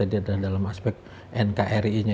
dalam aspek nkri nya